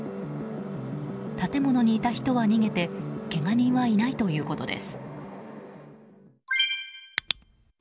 建物にいた人は逃げてけが人はいないということです。